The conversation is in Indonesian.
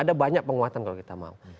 ada banyak penguatan kalau kita mau